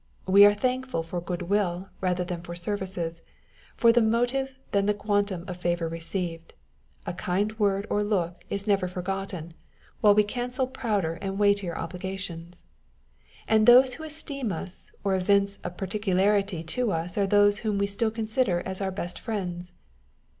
We are thankful for good will rather than for services, for the motive than the quantum of favour received â€" a kind word or look is never forgotten, while we cancel prouder and weightier obligations ; and those who esteem us or evince a par tiality to us are those whom we still consider as our best friends.